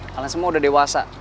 kalian semua udah dewasa